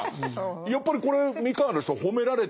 やっぱりこれ三河の人褒められてるっていうか。